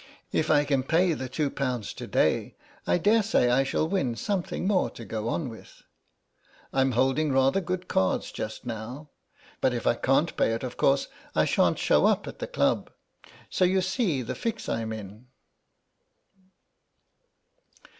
If I can pay the two pounds to day I daresay I shall win something more to go on with; I'm holding rather good cards just now. But if I can't pay it of course I shan't show up at the club. So you see the fix I am in."